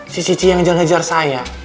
si cici yang jalan jalan kejar saya